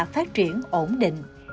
phát triển ổn định